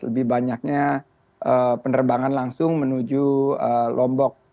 lebih banyaknya penerbangan langsung menuju lombok